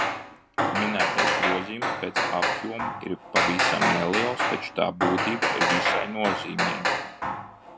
Minētais grozījums pēc apjoma ir pavisam neliels, taču tā būtība ir visai nozīmīga.